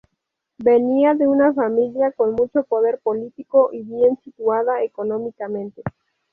Venía de una familia con mucho poder político y bien situada económicamente.